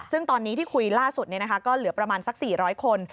ซึ่งตอนนี้ที่คุยล่าสุดก็เหลือประมาณสัก๔๐๐คน